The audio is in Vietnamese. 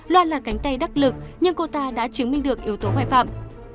loan là cánh tay đắc lực nhưng cô ta đã chứng minh được yếu tố hoài phạm